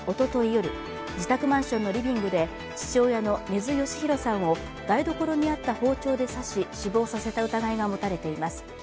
夜、自宅マンションのリビングで父親の根津嘉弘さんを台所にあった包丁で刺し死亡させた疑いが持たれています。